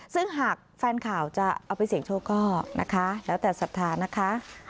ซึ่งหากแฟนข่าวจะเอาไปเสี่ยงโชคก็นะคะแล้วแต่ศรัทธานะคะ